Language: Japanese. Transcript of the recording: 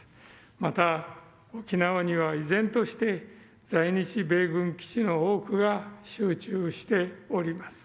また、沖縄には依然として在日米軍基地の多くが集中しております。